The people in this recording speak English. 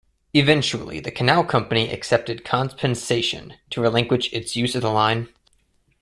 Eventually the canal company accepted compensation to relinquish its use of the line.